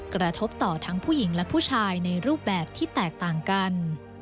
กระทบต่อทั้งผู้หญิงและผู้ชายในรูปแบบที่แตกต่างกัน